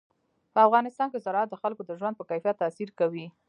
په افغانستان کې زراعت د خلکو د ژوند په کیفیت تاثیر کوي.